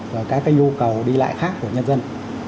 và các nhu cầu đi lại khác của nhân dân